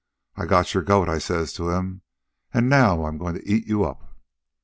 'I got your goat,' I says to him. 'An' now I'm goin' to eat you up.'